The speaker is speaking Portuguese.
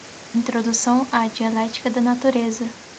Introdução à "Dialéctica da Natureza"